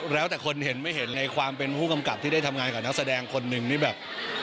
แล้วแต่คนเห็นไม่เห็นในความเป็นผู้กำกับที่ได้ทำงานกับนักแสดงคนหนึ่งนี่แบบ